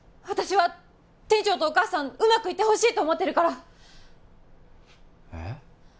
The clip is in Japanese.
私は店長とお母さんうまくいってほしいと思ってるからえっ？